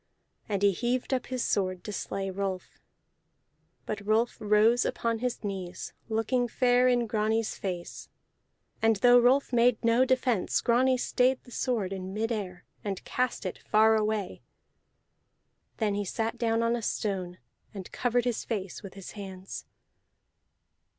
And he heaved up his sword to slay Rolf. But Rolf rose upon his knees, looking fair in Grani's face; and though Rolf made no defence, Grani stayed the sword in midair, and cast it far away. Then he sat down on a stone and covered his face with his hands.